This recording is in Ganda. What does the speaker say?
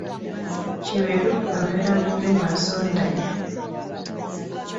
Kiberu abeera mu nnyumba nsondannya.